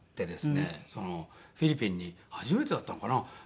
フィリピンに初めてだったのかな？